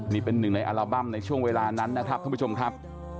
นี่เป็นหนึ่งในอัลบั้มในช่วงเวลานั้นนะครับท่านผู้ชมครับ